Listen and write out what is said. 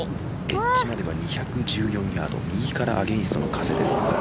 エッジまでは２１４ヤード右からアゲインストの風です。